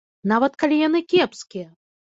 Нават калі яны кепскія!